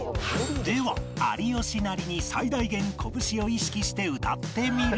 では有吉なりに最大限こぶしを意識して歌ってみる